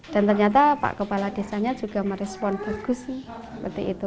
dan ternyata pak kepala desanya juga merespon bagus sih seperti itu